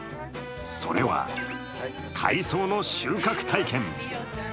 それは、海藻の収穫体験。